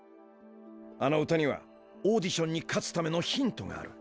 あの歌にはオーディションに勝つためのヒントがある。